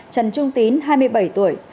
trần trung tín hai mươi bảy tuổi